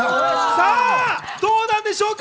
さぁどうなんでしょうか？